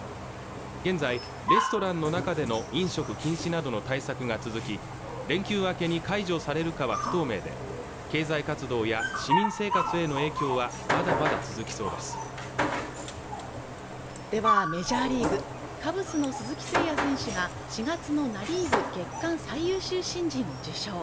現在レストランの中での飲食禁止などの対策が続き連休明けに解除されるかは不透明で経済活動や市民生活への影響はまだまだ続きそうですではメジャーリーグカブスの鈴木誠也選手が４月のナ・リーグ月間最優秀新人を受賞